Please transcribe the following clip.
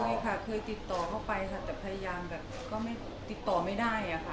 ใช่ค่ะเคยติดต่อเข้าไปค่ะแต่พยายามแบบก็ไม่ติดต่อไม่ได้อะค่ะ